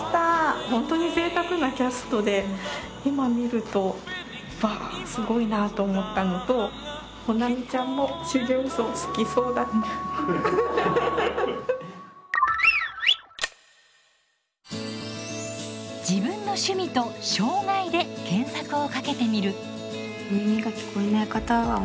本当にぜいたくなキャストで今観ると「わあすごいな！」と思ったのと保奈美ちゃんも「自分の趣味」と「障がい」で検索をかけてみる。